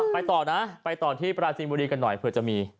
ไปต่อนะไปต่อที่ปราจีนบุรีกันหน่อยเผื่อจะมี